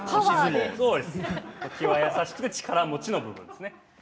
気は優しくて力持ちの部分ですね。